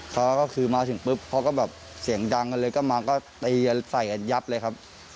เขาก็คือมาถึงปุ๊บเขาก็แบบเสียงดังกันเลยก็มาก็ตีกันใส่กันยับเลยครับ